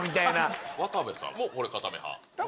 渡部さんも固め派？